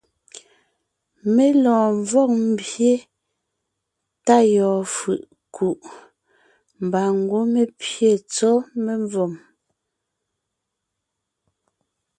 Mé lɔɔn ḿvɔg ḿbye tá yɔɔn fʉ̀ʼ ńkuʼ, mbà ńgwɔ́ mé pyé tsɔ́ memvòm.